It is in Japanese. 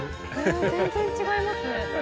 え全然違いますね。